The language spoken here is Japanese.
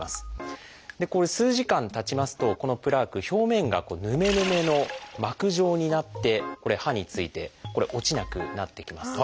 これ数時間たちますとこのプラーク表面がヌメヌメの膜状になって歯について落ちなくなっていきます。